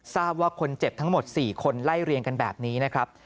ทราบว่าคนเจ็บทั้งหมด๔คนไล่เรียงกันแบบนี้นะครับ